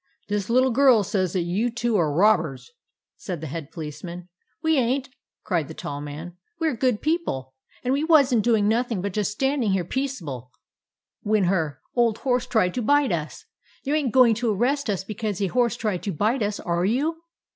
" This little girl says that you two are robbers," said the Head Policeman. " We ain't !" cried the tall man. " We 're good people, and we was n't doing nothing but just standing here peaceable, when her old horse tried to bite us. You ain't going to arrest us because a horse tried to bite us, are you